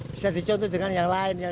bisa dicontoh dengan yang lain